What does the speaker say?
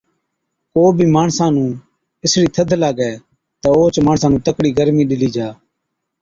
ڪو بِي ماڻسا نُون اِسڙِي ٿڌ لاگَي تہ اوهچ ماڻسا نُون تڪڙِي گرمِي ڏِلِي جا،